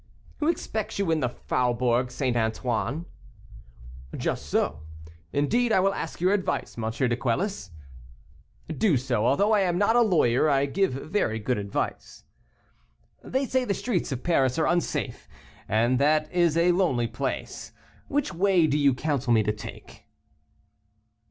"Who expects you in the Faubourg St. Antoine?" "Just so, indeed I will ask your advice, M. de Quelus." "Do so, although I am not a lawyer, I give very good advice." "They say the streets of Paris are unsafe, and that is a lonely place. Which way do you counsel me to take?"